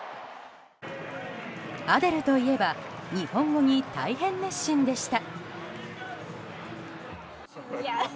アデルといえば日本語に大変熱心でした。